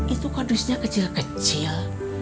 itu kardusnya kecil kecil